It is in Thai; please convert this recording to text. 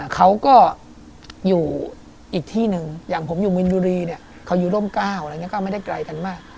เขาก็อยู่อีกที่หนึ่งอย่างผมอยู่มินบุรีเนี่ยเขาอยู่ร่ม๙อะไรอย่างนี้ก็ไม่ได้ไกลกันมาก